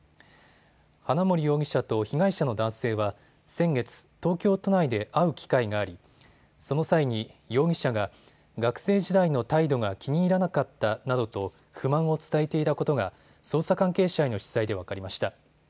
花森容疑者と被害者の男性は先月、東京都内で会う機会がありその際に容疑者が学生時代の態度が気に入らなかったなどと不満を伝えていたことが捜査関係者への取材で分かりました。